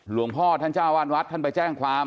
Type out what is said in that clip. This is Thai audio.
หลวงพ่อท่านเจ้าวาดวัดท่านไปแจ้งความ